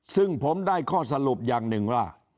ซึ่งผมได้ข้อสรุปอย่างหนึ่งว่า